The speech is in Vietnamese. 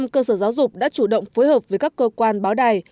một trăm linh cơ sở giáo dục đã chủ động phối hợp với các cơ quan báo đài